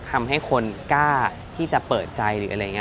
ทำให้คนกล้าที่จะเปิดใจ